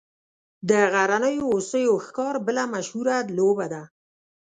د غرنیو هوسیو ښکار بله مشهوره لوبه ده